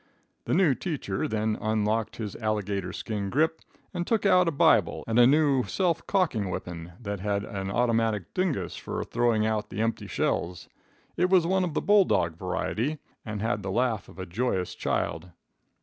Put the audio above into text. The new teacher then unlocked his alligator skin grip, and took out a Bible and a new self cocking weepon that had an automatic dingus for throwing out the empty shells. It was one of the bull dog variety, and had the laugh of a joyous child.